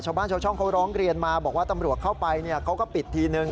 ชาวบ้านชาวช่องเขาร้องเรียนมาบอกว่าตำรวจเข้าไปเขาก็ปิดทีนึง